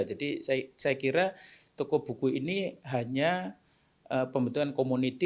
jadi saya kira toko buku ini hanya pembentukan community